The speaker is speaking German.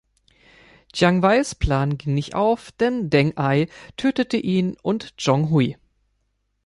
Jiang Weis Plan ging nicht auf, und Deng Ai tötete ihn und Zhong Hui.